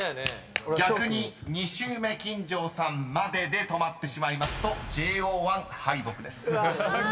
［逆に２周目金城さんまでで止まってしまいますとＪＯ１敗北です］